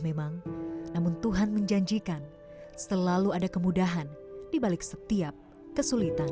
memang namun tuhan menjanjikan selalu ada kemudahan dibalik setiap kesulitan